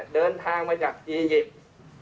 เดินทางมาจากอียิปต์